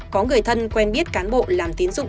có người thân quen biết cán bộ làm tiến dụng